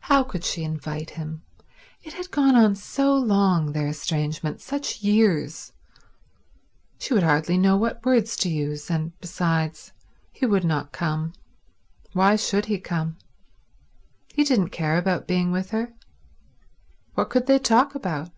How could she invite him? It had gone on so long, their estrangement, such years; she would hardly know what words to use; and besides, he would not come. Why should he come? He didn't care about being with her. What could they talk about?